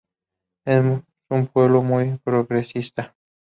Es un pueblo muy progresista.